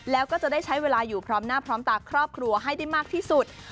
แล้วก็จะได้ใช้เวลาอยู่พร้อมหน้าพร้อมตาครอบครัวให้ได้มากที่สุด